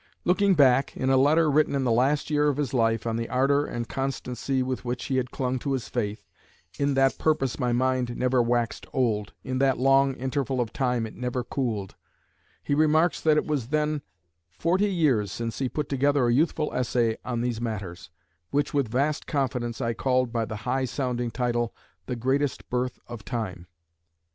Looking back, in a letter written in the last year of his life, on the ardour and constancy with which he had clung to his faith "in that purpose my mind never waxed old; in that long interval of time it never cooled" he remarks that it was then "forty years since he put together a youthful essay on these matters, which with vast confidence I called by the high sounding title, The Greatest Birth of Time."